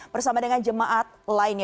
bersama dengan jemaat lainnya